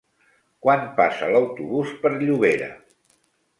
Quan passa l'autobús per Llobera?